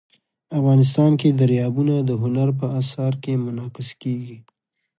افغانستان کې دریابونه د هنر په اثار کې منعکس کېږي.